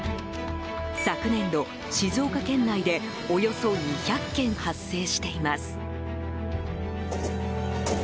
昨年度、静岡県内でおよそ２００件発生しています。